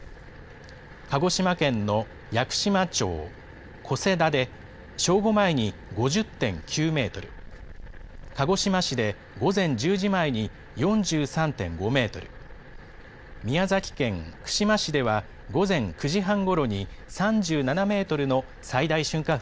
鹿児島県の屋久島町小瀬田で、正午前に５０．９メートル、鹿児島市で午前１０時前に４３．５メートル、宮崎県串間市では午前９時半ごろに３７メートルの最大瞬間